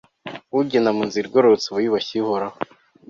ugenda mu nzira igororotse aba yubashye uhoraho